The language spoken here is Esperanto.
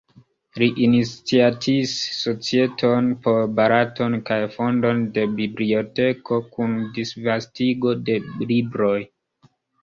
Li iniciatis societon por Balatono kaj fondon de biblioteko kun disvastigo de libroj.